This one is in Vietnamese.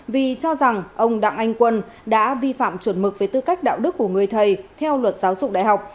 vì cho rằng ông đặng anh quân đã vi phạm chuẩn mực về tư cách đạo đức của người thầy theo luật giáo dục đại học